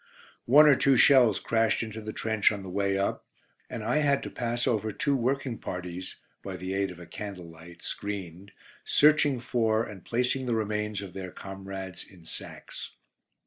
One or two shells crashed into the trench on the way up, and I had to pass over two working parties (by the aid of a candle light, screened) searching for, and placing the remains of their comrades in sacks.